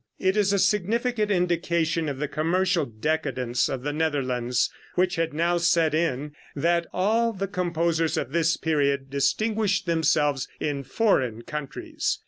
It is a significant indication of the commercial decadence of the Netherlands, which had now set in, that all the composers of this period distinguished themselves in foreign countries.